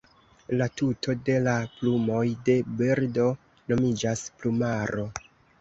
La tuto de la plumoj de birdo nomiĝas "plumaro".